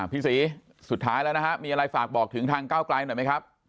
พี่ศรีสุดท้ายแล้วนะฮะมีอะไรฝากบอกถึงทางก้าวไกลหน่อยไหมครับ